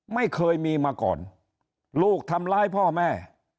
ไม่เคยมีมาก่อนลูกทำร้ายพ่อแม่